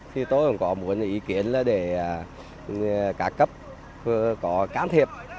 thì tôi cũng có một ý kiến là để các cấp có can thiệp